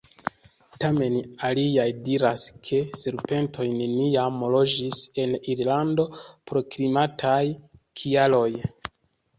Tamen aliaj diras, ke serpentoj neniam loĝis en Irlando pro klimataj kialoj.